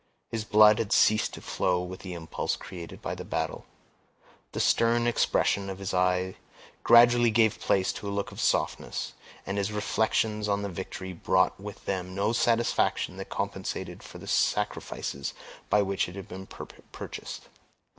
His blood had ceased to flow with the impulse created by the battle. The stern expression of his eye gradually gave place to a look of softness; and his reflections on the victory brought with them no satisfaction that compensated for the sacrifices by which it had been purchased.